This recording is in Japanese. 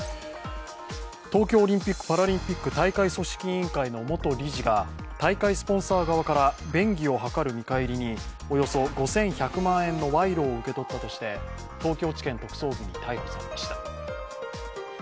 東京オリンピック・パラリンピック大会組織委員会の元理事が大会スポンサー側から便宜を図る見返りにおよそ５１００万円の賄賂を受け取ったとして東京地検特捜部に逮捕されました。